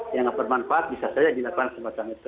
yang ngga bermanfaat bisa saja dilakukan sebagainya